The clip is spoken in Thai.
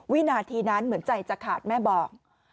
วินาทีนั้นเหมือนใจจะขาดแม่บอก